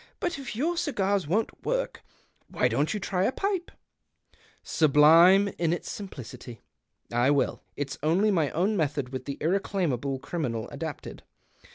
But if your cigars won't w^ork, why don't you try a pipe ?"" Sublime in its simplicity ! I will. It's only my own method with the irreclaimable criminal adapted.